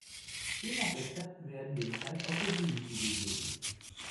Je nach Rezept werden dem Teig auch Rosinen zugegeben.